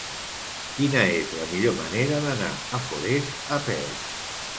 Quina és la millor manera d'anar a Forès a peu?